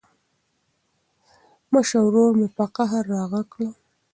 مشر ورور مې په قهر راغږ کړ.